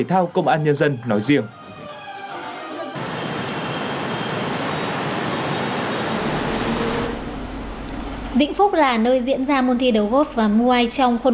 thao công an nhân dân nói riêng vĩnh phúc là nơi diễn ra môn thi đấu góp và mobile trong khuôn